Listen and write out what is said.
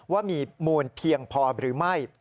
ว่ามีมูลเพียงพอหรือไม่